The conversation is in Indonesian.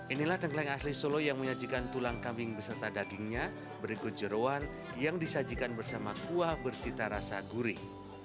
inilah tengkleng asli solo yang menyajikan tulang kambing beserta dagingnya berikut jerawan yang disajikan bersama kuah bercita rasa gurih